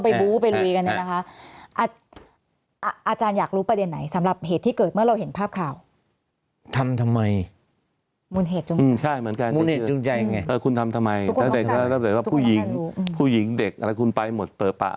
ผู้หญิงเด็กแล้วคุณไปหมดเปล่าปะหมด